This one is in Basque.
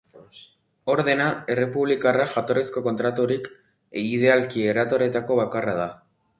Ordena errepublikarra jatorrizko kontratutik idealki eratorritako bakarra da.